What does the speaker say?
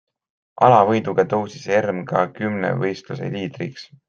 Alavõiduga tõusis Erm ka kümnevõistluse liidriks.